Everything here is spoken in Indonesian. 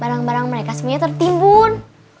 barang barang mereka semuanya tertimbun